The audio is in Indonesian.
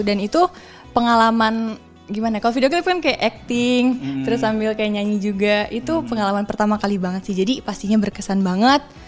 dan itu pengalaman gimana kalau videoclip kan kayak acting terus sambil kayak nyanyi juga itu pengalaman pertama kali banget sih jadi pastinya berkesan banget